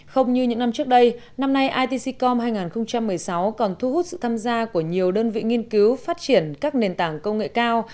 không như những năm trước đây năm nay itscom hai nghìn một mươi sáu còn thu hút sự tham gia của nhiều đơn vị nghiên cứu phát triển các nền tảng công nghệ cao